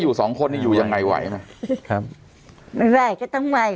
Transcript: อยู่สองคนนี่อยู่ยังไงไหวไหมครับไม่ไหวก็ต้องไหว้